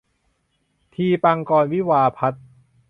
ทีปังกรวิทยาพัฒน์